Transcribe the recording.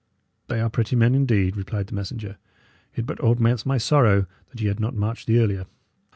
"They are pretty men, indeed," replied the messenger. "It but augments my sorrow that ye had not marched the earlier."